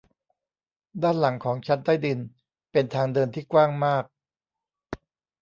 ด้านหลังของชั้นใต้ดินเป็นทางเดินที่กว้างมาก